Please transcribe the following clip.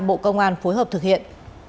bộ công an phối hợp thực hiện